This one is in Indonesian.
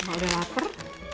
mak udah lapar